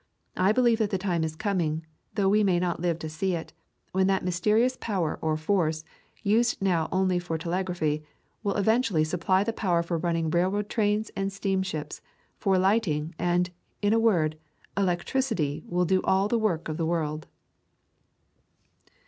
I believe that the time is coming, though we may not live to see it, when that mysterious power or force, used now only for telegraphy, will eventually supply the power for running railroad trains and steamships, for lighting, and, in a word, elec tricity will do all the work of the world."